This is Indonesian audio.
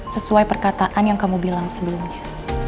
sesuai perkataan yang kamu bilang sebelumnya